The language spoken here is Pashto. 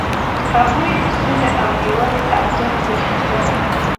هغوی د سولې او یووالي ارزښت پیژندل.